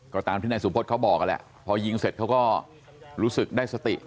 ก็ตามที่นายสุพธเขาบอกนั่นแหละพอยิงเสร็จเขาก็รู้สึกได้สติ